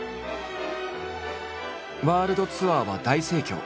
ワールドツアーは大盛況。